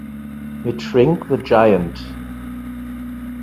Mit Shrink the Giant